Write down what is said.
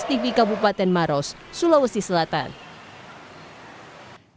kondisi bayi akan menjadikan anak anaknya lebih mudah untuk berjaya berjaya